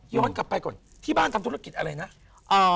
กลับไปก่อนที่บ้านทำธุรกิจอะไรนะ